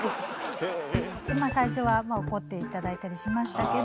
最初は怒って頂いたりしましたけど。